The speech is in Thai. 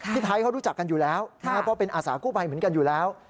พี่ไทยเขารู้จักกันอยู่แล้วเพราะเป็นอาสากู้ภัยเหมือนกันอยู่แล้ว